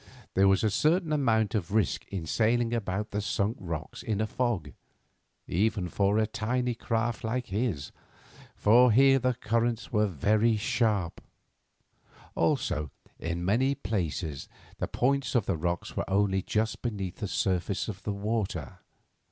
There was a certain amount of risk in sailing about the Sunk Rocks in a fog, even for a tiny craft like his, for here the currents were very sharp; also, in many places the points of the rocks were only just beneath the surface of the water.